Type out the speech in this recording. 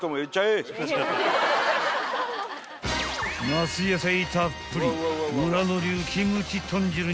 ［夏野菜たっぷり村野流キムチ豚汁に］